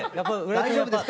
大丈夫ですか？